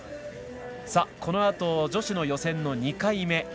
このあと女子の予選の２回目。